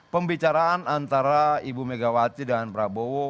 pembicaraan antara ibu megawati dan prabowo